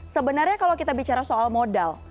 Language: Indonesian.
sebenarnya kalau kita bicara soal modal